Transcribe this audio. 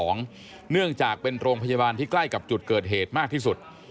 เนื่องจากเป็นโรงพยาบาลที่ใกล้กับจุดเกิดเหตุมากที่สุด